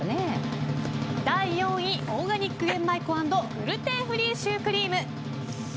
４位、オーガニック玄米粉＆グルテンフリーシュークリーム。